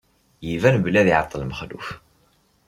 Iban belli ad iɛeṭṭel Mexluf.